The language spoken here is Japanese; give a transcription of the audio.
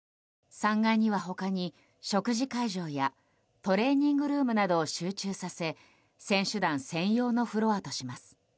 ３階には他に、食事会場やトレーニングルームなどを集中させ選手団専用のフロアとします。